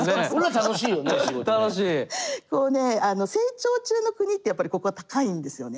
成長中の国ってやっぱりここは高いんですよね。